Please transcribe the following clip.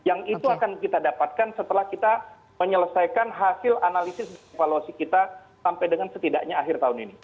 yang itu akan kita dapatkan setelah kita menyelesaikan hasil analisis dan evaluasi kita sampai dengan setidaknya akhir tahun ini